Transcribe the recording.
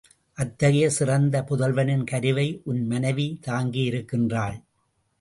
அத்தகைய சிறந்த புதல்வனின் கருவை உன் மனைவி தாங்கியிருக்கின்றாள்.